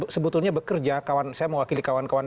sebetulnya bekerja kawan saya mewakili kawan kawan